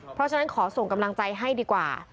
เพราะฉะนั้นขอส่งกำลังใจให้ดีกว่า